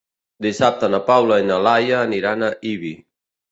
Dissabte na Paula i na Laia aniran a Ibi.